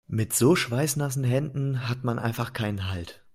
Mit so schweißnassen Händen hat man einfach keinen Halt.